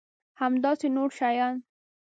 همداسې نور شیان.